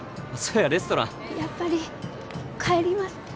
やっぱり帰ります。